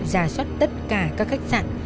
giả soát tất cả các khách sạn